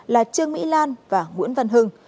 là trương mỹ lan và nguyễn văn hưng